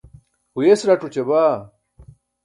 huyes rac̣ oća baa